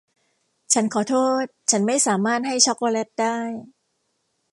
ฉันขอโทษฉันไม่สามารถให้ช็อกโกแลตได้